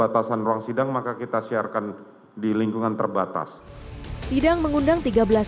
tapi karena keterbatasan ruang sidang maka kita siarkan di lingkungan terbatas sidang mengundang